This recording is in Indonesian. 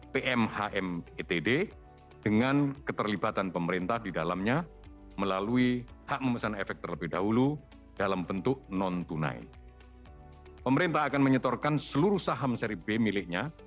pemerintah akan menyetorkan seluruh saham seri b miliknya